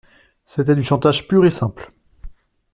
C’était du chantage pur et simple.